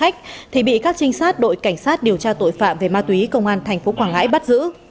các trinh sát đội cảnh sát điều tra tội phạm về ma túy công an tp quảng ngãi bắt giữ